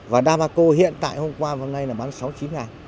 và đa bạc cô hiện tại hôm qua và hôm nay là bán sáu mươi chín đồng